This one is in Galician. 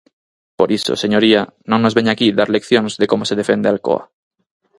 Por iso, señoría, non nos veña aquí dar leccións de como se defende Alcoa.